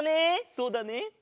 そうだね！